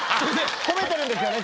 褒めてるんですよね先生。